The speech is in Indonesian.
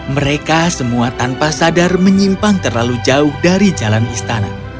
mereka semua tanpa sadar menyimpang terlalu jauh dari jalan istana